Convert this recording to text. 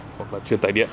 hoặc là truyền tài điện